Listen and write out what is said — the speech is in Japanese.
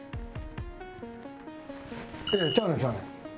いやいやちゃうねんちゃうねん。